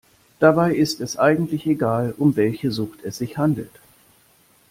Dabei ist es eigentlich egal, um welche Sucht es sich handelt.